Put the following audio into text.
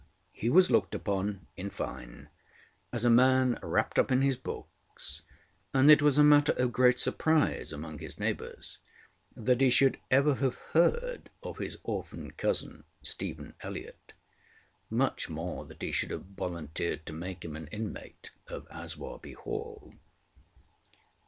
He was looked upon, in fine, as a man wrapped up in his books, and it was a matter of great surprise among his neighbours that he should ever have heard of his orphan cousin, Stephen Elliott, much more that he should have volunteered to make him an inmate of Aswarby Hall.